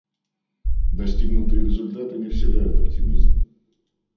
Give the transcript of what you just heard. Достигнутые результаты не вселяют оптимизм.